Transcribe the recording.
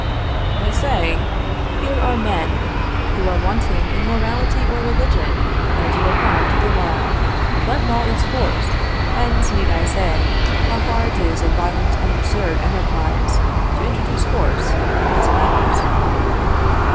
You say, "Here are men who are wanting in morality or religion," and you apply to the law; but law is force, and need I say how far it is a violent and absurd enterprise to introduce force in these matters?